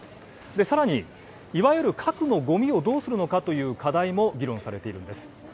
さらにいわゆる核のごみをどうするのかという課題も議論されているんです。